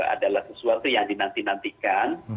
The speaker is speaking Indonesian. adalah sesuatu yang dinantikan